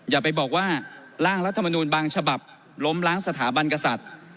อย่าไปบอกว่าร่างรัฐมนูลบางฉบับล้มล้างสถาบันกษัตริย์